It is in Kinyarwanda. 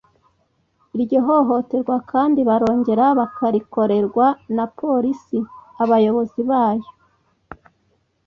Iryo hohoterwa kandi barongera bakarikorerwa na polisi; abayobozi bayo